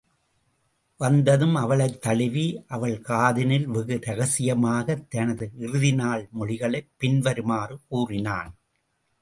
வந்ததும் அவளைத் தழுவி அவள் காதினில் வெகு ரகசியமாகத் தனது இறுதிநாள் மொழிகளைப் பின் வருமாறு கூறினன்.